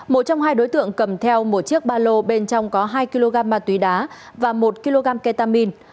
một trong hai đối tượng cầm theo một chiếc ba lô bên trong có hai kg ma túy đá và một kg ketamine